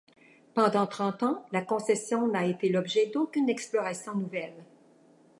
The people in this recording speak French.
Pendant trente ans, la concession n'a été l'objet d'aucune exploration nouvelle.